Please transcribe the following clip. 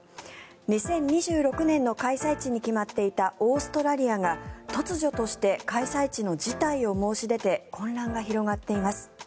２０２６年の開催地に決まっていたオーストラリアが突如として開催地の辞退を申し出て混乱が広がっています。